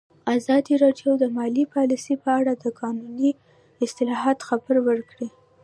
ازادي راډیو د مالي پالیسي په اړه د قانوني اصلاحاتو خبر ورکړی.